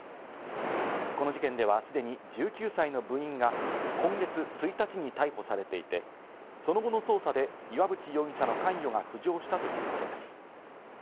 この事件ではすでに１９歳の部員が今月１日に逮捕されていて、その後の捜査で岩渕容疑者の関与が浮上したということです。